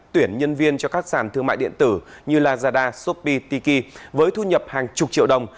tuyển nhân viên cho các sàn thương mại điện tử như lazada shopee tiki với thu nhập hàng chục triệu đồng